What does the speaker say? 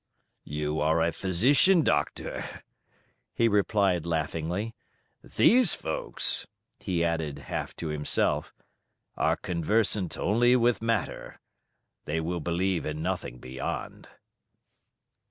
"You are a physician, Doctor," he replied laughingly; "these folks," he added, half to himself, "are conversant only with matter; they will believe in nothing beyond."